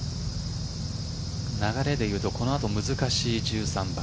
流れでいうとこのあと難しい１３番。